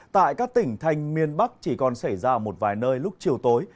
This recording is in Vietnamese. tại các tỉnh thành miền bắc chỉ còn xảy ra ở một vài nơi lúc chiều tối